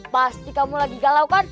pasti kamu lagi galau kan